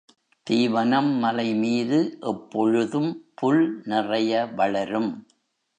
தீவனம் மலைமீது எப்பொழுதும் புல் நிறைய வளரும்.